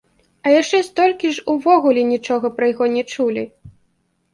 А яшчэ столькі ж увогуле нічога пра яго не чулі.